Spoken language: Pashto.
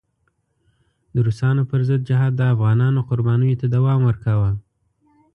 د روسانو پر ضد جهاد د افغانانو قربانیو ته دوام ورکاوه.